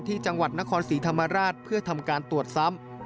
ที่จังหวัดนครศรีธรรมราชเพื่อทำการตรวจซ้ำ